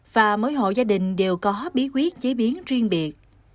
và mỗi hộ gia đình đều có bí quyết chế biến riêng biệt